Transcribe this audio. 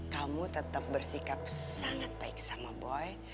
kamu tetap bersikap sangat baik sama boy